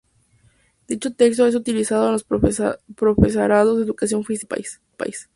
Dicho texto es utilizado en los Profesorados de Educación Física de todo el país.